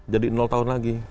jadi tahun lagi